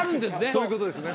そういうことですね